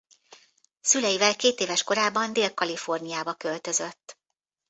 Szüleivel kétéves korában Dél-Kaliforniába költözött.